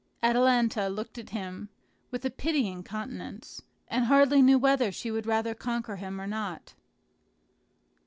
Atalanta looked at him with a pitying countenance, and hardly knew whether she would rather conquer him or not.